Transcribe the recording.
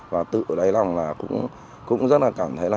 và tự lấy lòng là cũng rất là cảm thấy tự hào công việc của mình đang làm